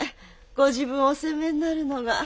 ご自分をお責めになるのが。